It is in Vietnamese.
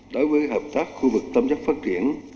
đối với hợp tác khu vực tâm giác phát triển